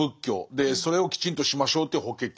でそれをきちんとしましょうという「法華経」。